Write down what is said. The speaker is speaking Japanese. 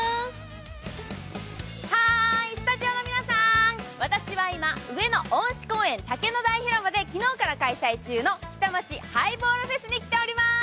はーい、スタジオの皆さん、私は今、上野恩賜公園竹の台広場で昨日から開催中の下町ハイボールフェスに来ております！